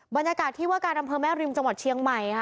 บรรยากาศที่ว่าการอำเภอแม่ริมจังหวัดเชียงใหม่ค่ะ